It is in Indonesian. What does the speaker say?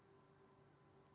pak surya paloh